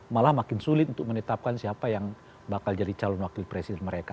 malah makin sulit untuk menetapkan siapa yang bakal jadi calon wakil presiden mereka